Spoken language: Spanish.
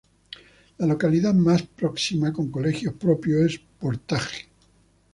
La localidad más próxima con colegio propio es Portaje.